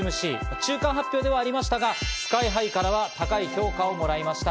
中間発表ではありましたがＳＫＹ−ＨＩからは高い評価をもらいました。